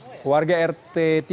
aslinya yang tidak ada ktpnya tadi